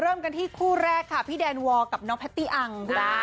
เริ่มกันที่คู่แรกค่ะพี่แดนวอร์กับน้องแพตตี้อัง